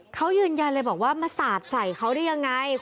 เขายืนยันเลยบอกว่ามาสาดใส่เขาได้ยังไง